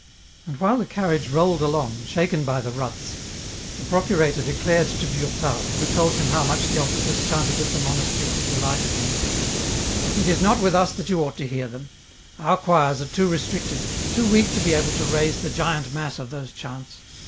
And while the carnage rolled along, shaken by the ruts, the procurator declared to Durtal, who told him how much the offices chanted at the monastery had delighted him, "It is not with us that you ought to hear them ; our choirs are too restricted, too weak to be able to raise the giant mass of those chants.